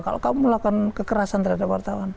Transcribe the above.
kalau kamu melakukan kekerasan terhadap wartawan